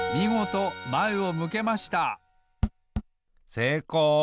せいこう。